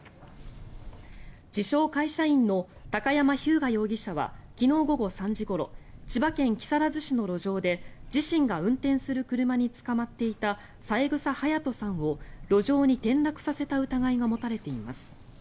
自称・会社員の高山飛勇我容疑者は昨日午後３時ごろ千葉県木更津市の路上で自身が運転する車につかまっていた三枝隼年さんを路上に転落させた疑いが持たれています。